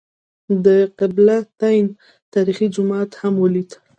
د قبله تین تاریخي جومات هم ولېد.